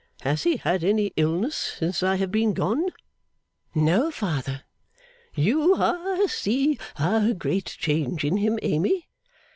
Has he had any illness since I have been gone?' 'No, father.' 'You ha see a great change in him, Amy?